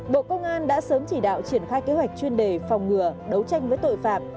bộ công an đã sớm chỉ đạo triển khai kế hoạch chuyên đề phòng ngừa đấu tranh với tội phạm